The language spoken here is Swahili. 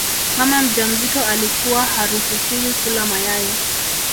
Mama mjamzito alikuwa haruhusiwi kula mayai